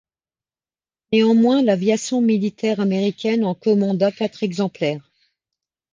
Néanmoins l'aviation militaire américaine en commanda quatre exemplaires.